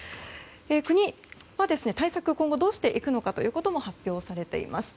国は対策を今後どうしていくかも発表されています。